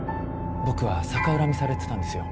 僕は逆恨みされてたんですよ。